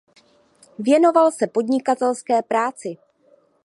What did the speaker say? Věnoval se podnikatelské práci.